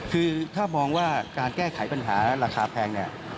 คือถ้ามองว่าการแก้ไขปัญหาราคาแพงเนี่ย